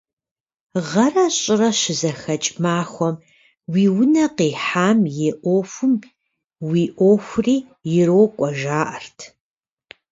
Гъэрэ щӀырэ щызэхэкӀ махуэм уи унэ къихьам и Ӏуэхум уи Ӏуэхури ирокӀуэ, жаӀэрт.